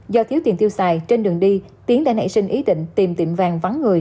do thiếu tiền tiêu xài trên đường đi tiến đã nảy sinh ý định tìm tiệm vàng vắng người